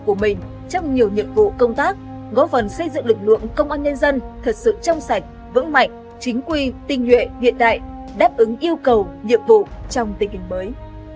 của mình trong nhiều nhiệm vụ công tác góp phần xây dựng lực lượng công an nhân dân thật sự trong sạch vững mạnh chính quy tinh nhuệ hiện đại đáp ứng yêu cầu nhiệm vụ trong tình hình mới